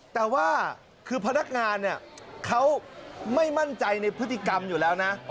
แต่ว่าคือพนักงานเนี่ยเขาไม่มั่นใจในพฤติกรรมอยู่แล้วนะ